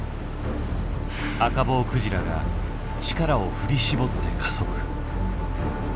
アカボウクジラが力を振り絞って加速。